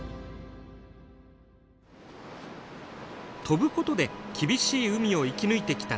飛ぶことで厳しい海を生き抜いてきたトビウオ。